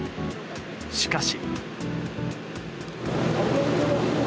しかし。